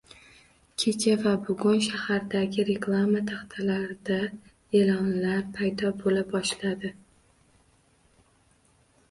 Kecha va bugun shahardagi reklama taxtalarida e'lonlar paydo bo'la boshladi